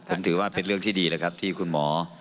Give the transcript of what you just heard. ผมถือว่าเป็นเรื่องที่ดีแล้วครับที่คุณหมอ